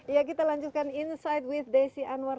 ya kita lanjutkan insight with desi anwar